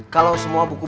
kalau semua buku ini